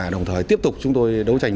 đồng thời tiếp tục chúng tôi đấu tranh